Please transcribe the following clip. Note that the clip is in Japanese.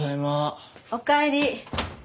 おかえり。